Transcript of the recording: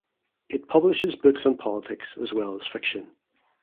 It publishes books on politics as well as fiction.